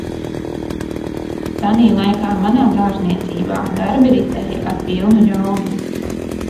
"Tanī laikā manā "dārzniecībā" darbi ritēja ar pilnu jaudu."